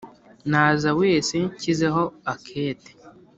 Naza wese nshyizeho akete